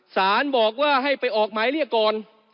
สารบอกว่าให้ไปออกหมายเรียกก่อน